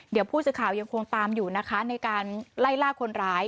เดี๋ยวผู้สื่อข่าวยังคงตามอยู่นะคะในการไล่ล่าคนร้าย